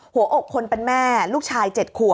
หัวอกคนเป็นแม่ลูกชาย๗ขวบ